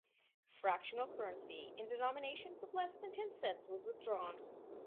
Fractional currency in denominations of less than ten cents was withdrawn.